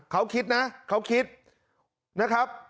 เขาคิดนะเขาคิดนะครับ